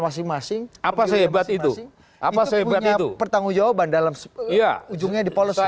masing masing apa sehebat itu apa sebetulnya pertanggungjawaban dalam sepuluh ujungnya dipoles